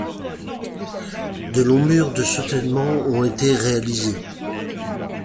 De longs murs de soutènement ont été réalisés.